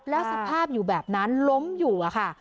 แล้วสภาพอยู่แบบนั้นล้มอยู่อะค่ะ